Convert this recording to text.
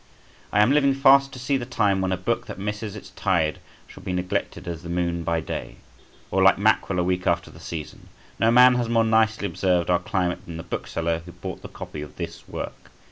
I am living fast to see the time when a book that misses its tide shall be neglected as the moon by day, or like mackerel a week after the season. No man has more nicely observed our climate than the bookseller who bought the copy of this work.